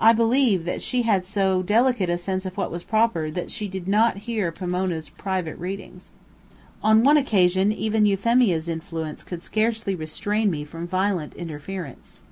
I believe that she had so delicate a sense of what was proper, that she did not hear Pomona's private readings. On one occasion, even Euphemia's influence could scarcely restrain me from violent interference.